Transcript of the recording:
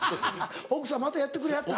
奥さんまたやってくれはった？